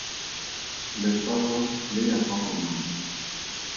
Lekwalo le ya kwa go mang?